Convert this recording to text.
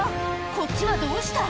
こっちはどうした？